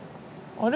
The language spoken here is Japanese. あれ？